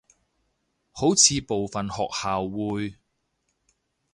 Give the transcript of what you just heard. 好似部份學校會